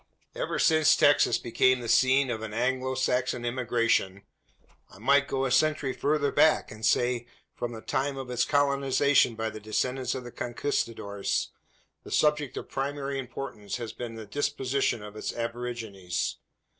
Ever since Texas became the scene of an Anglo Saxon immigration I might go a century farther back and say, from the time of its colonisation by the descendants of the Conquistadores the subject of primary importance has been the disposition of its aborigines.